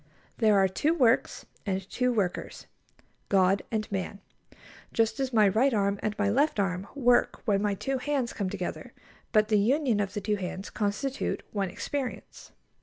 There are two works and two workers: God and man. Just as my right arm and my left arm work when my two hands come together, but the union of the two hands constitute one experience.